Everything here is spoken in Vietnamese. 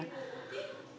nói chung là